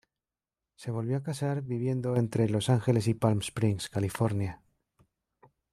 Se volvió a casar viviendo entre Los Ángeles y Palm Springs, California.